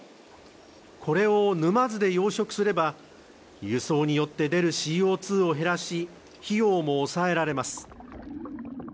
これを沼津で養殖すれば輸送によって出るＣＯ２を減らし、費用も抑えられます。